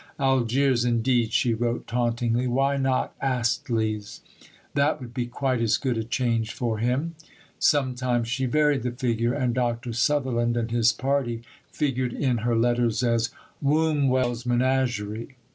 Algiers, indeed, she wrote tauntingly, "why not Astley's?" That would be quite as good a change for him. Sometimes she varied the figure, and Dr. Sutherland and his party figured in her letters as Wombwell's Menagerie.